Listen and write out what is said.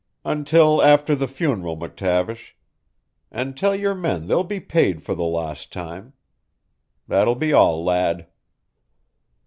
"Until after the funeral, McTavish. And tell your men they'll be paid for the lost time. That will be all, lad."